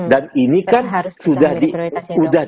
dan ini kan sudah